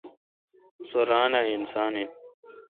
سو ران اؘ اسان این۔